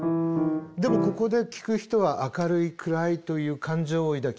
でもここで聴く人は明るい暗いという感情を抱きます。